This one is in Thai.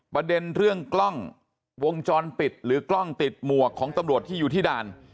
ประเด็นเรื่องกล้องวงจรปิดหรือกล้องติดหมวกของตำรวจที่อยู่ที่ด่าน